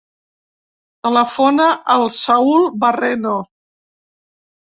Telefona al Saül Barreno.